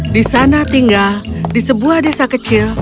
di sana tinggal di sebuah desa kecil